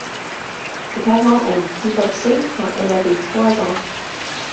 Ses parents ont divorcé quand elle avait trois ans.